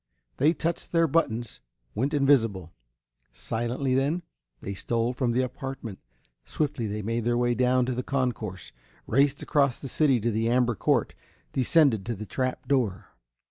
They touched their buttons, went invisible. Silently, then, they stole from the apartment. Swiftly they made their way down to the concourse, raced across the city to the amber court, descended to the trap door.